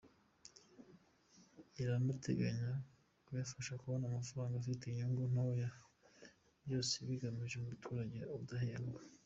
Iranateganya kuyafasha kubona amafaranga afite inyungu ntoya, byose bigamije ko umuturage adahendwa.